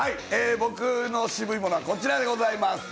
僕のシブい物はこちらでございます。